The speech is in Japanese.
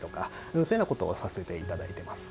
そういうようなことをさせていただいています。